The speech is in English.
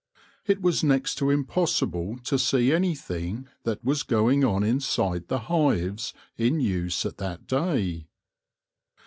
It was next to im possible to see anything that was going on inside the hives in use at that day.